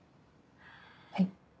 はい。